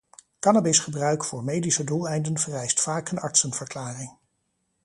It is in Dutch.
Cannabisgebruik voor medische doeleinden vereist vaak een artsenverklaring.